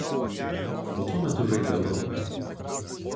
Po to metus žaidė Europoje.